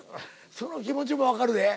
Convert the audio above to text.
その気持ちも分かるで。